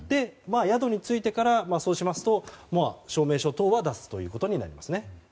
宿に着いてからそうしますと、証明書等は出すということになりますね。